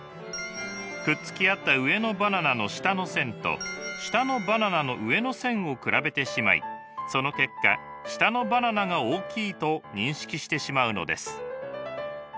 くっつき合った上のバナナの下の線と下のバナナの上の線を比べてしまいその結果下のバナナが大きいと認識してしまうのです。